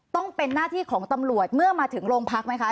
ต้องเป็นหน้าที่ของตำรวจเมื่อมาถึงโรงพักไหมคะ